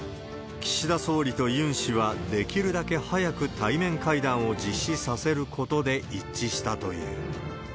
岸田総理とユン氏は、できるだけ早く対面会談を実施させることで一致したという。